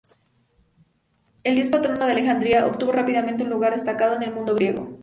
El dios patrono de Alejandría obtuvo rápidamente un lugar destacado en el mundo griego.